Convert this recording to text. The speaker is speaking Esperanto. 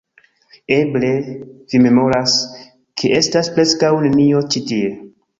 Eble, vi memoras, ke estas preskaŭ nenio ĉi tie